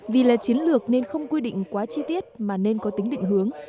vì là chiến lược nên không quy định quá chi tiết mà nên có tính định hướng